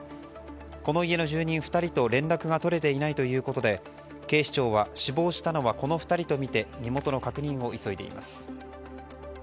この家の住人２人と連絡が取れていないということで警視庁は死亡したのはこの２人とみて身元の確認を急いでいます。